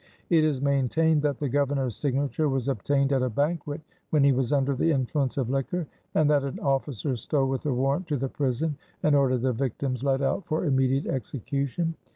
It is maintained that the Governor's signature was obtained at a banquet when he was under the influence of liquor, and that an officer stole with the warrant to the prison and ordered the victims led out for immediate execution.